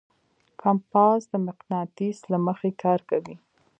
کمپاس د مقناطیس له مخې کار کوي.